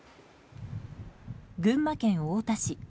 群馬県太田市。